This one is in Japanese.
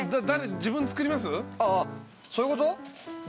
そういうこと？